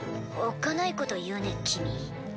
おっかないこと言うね君。